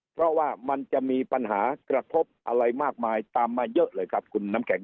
เพราะว่ามันจะมีปัญหากระทบอะไรมากมายตามมาเยอะเลยครับคุณน้ำแข็ง